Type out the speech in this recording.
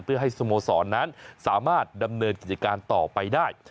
เพื่อให้สโมสรนั้นสามารถดำเนินกิจการต่อไปได้